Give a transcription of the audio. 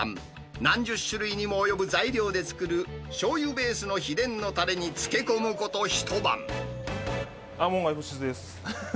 何十種類にもおよぶ材料で作るしょうゆベースの秘伝のたれに漬け門外不出です。